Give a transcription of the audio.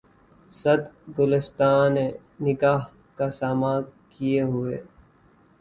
صد گلستاں نِگاه کا ساماں کئے ہوے